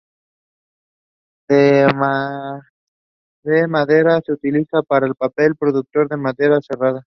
La madera se utiliza para papel y productos de madera aserrada.